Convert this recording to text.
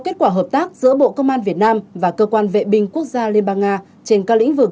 kết quả hợp tác giữa bộ công an việt nam và cơ quan vệ binh quốc gia liên bang nga trên các lĩnh vực